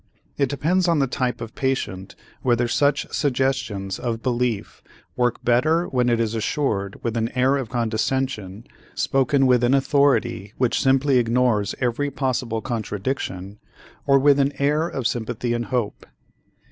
It depends on the type of patient whether such suggestions of belief work better when it is assured with an air of condescension, spoken with an authority which simply ignores every possible contradiction, or with an air of sympathy and hope.